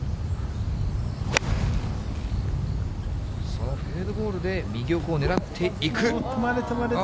そのフェードボールで右奥を狙っていく。